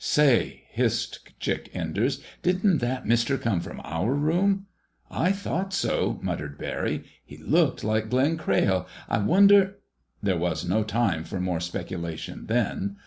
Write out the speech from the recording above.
"Say!" hissed Chick Enders. "Didn't that mister come from our room?" "I thought so," muttered Barry. "He looked like Glenn Crayle! I wonder...." There was no time for more speculation then.